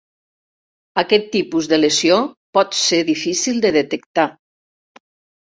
Aquest tipus de lesió pot ser difícil de detectar.